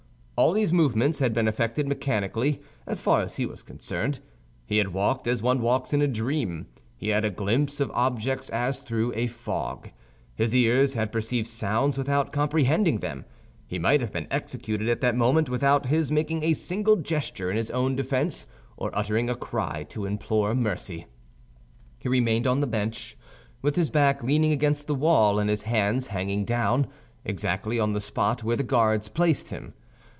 All these movements had been effected mechanically, as far as he was concerned. He had walked as one walks in a dream; he had a glimpse of objects as through a fog. His ears had perceived sounds without comprehending them; he might have been executed at that moment without his making a single gesture in his own defense or uttering a cry to implore mercy. He remained on the bench, with his back leaning against the wall and his hands hanging down, exactly on the spot where the guards placed him.